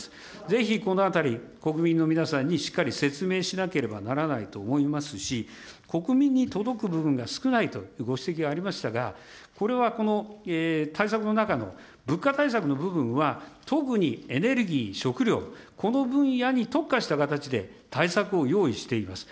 ぜひこのあたり、国民の皆さんにしっかり説明しなければならないと思いますし、国民に届く部分が少ないというご指摘がありましたが、これは、この対策の中の物価対策の部分は、特にエネルギー、食料、この分野に特化した形で対策を用意しています。